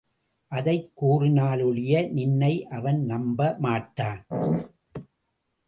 அதைக் கூறினாலொழிய நின்னை அவன் நம்ப மாட்டான்.